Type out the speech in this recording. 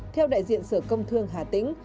theo đại diện sở công thương hà tĩnh